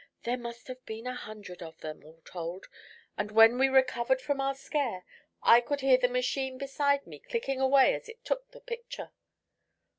There must have been a hundred of them, all told, and when we recovered from our scare I could hear the machine beside me clicking away as it took the picture."